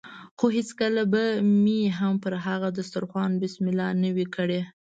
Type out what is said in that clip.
خو هېڅکله به مې هم پر هغه دسترخوان بسم الله نه وي کړې.